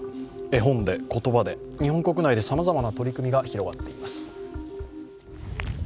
絵本で、言葉で日本国内でさまざまな取り組みが広がっています。